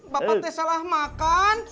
bapak saya salah makan